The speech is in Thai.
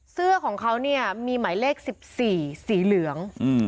เสื้อของเขาเนี่ยมีหมายเลข๑๔สีเหลือง